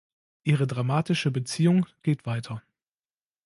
Ihre dramatische Beziehung geht weiter.